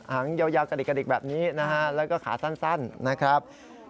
หางยาวกระดิกแบบนี้นะครับแล้วก็ขาสั้นนะครับ